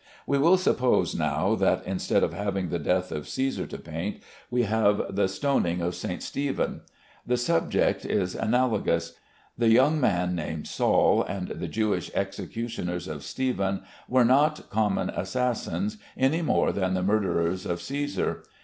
We will suppose now that instead of having the death of Cæsar to paint we have the "Stoning of St. Stephen." The subject is analogous. The young man named Saul and the Jewish executioners of Stephen were not common assassins any more than the murderers of Cæsar.